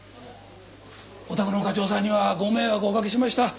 お宅の課長さんにはご迷惑をおかけしました。